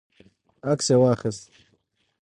عکس یې واخیست.